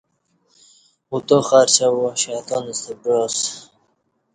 اوتہ خرچہ وا شیطان ستہ بعا اسہ